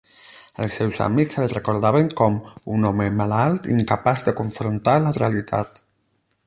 Els seus amics el recordaven com "un home malalt, incapaç de confrontar la realitat".